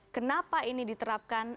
kenapa ini diterapkan